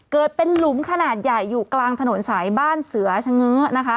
เกิดเป็นหลุมขนาดใหญ่อยู่กลางถนนสายบ้านเสือชะเง้อนะคะ